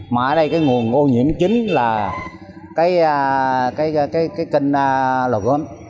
mà ở đây cái nguồn ô nhiễm chính là cái kênh lò gốm